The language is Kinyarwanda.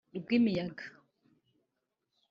Rwimiyaga